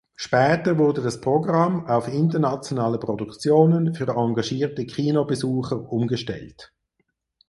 Später wurde das Programm auf internationale Produktionen für engagierte Kinobesucher umgestellt.